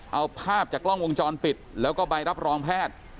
เอาภาพจากกล้องวงจรปิดแล้วก็ใบรับรองแพทย์